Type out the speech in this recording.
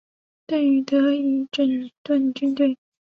邓禹得以整顿军队。